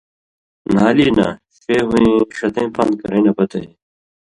نھالی نا ݜے ہُویں ݜتَیں پان٘د کرَیں نہ پتَیں